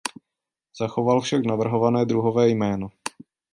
Zachoval však navrhované druhové jméno.